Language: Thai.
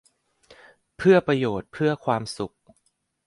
เพื่อประโยชน์ เพื่อความสุข